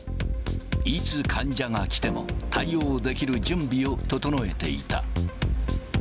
いつ患者が来ても、対応できる準備を整えていた。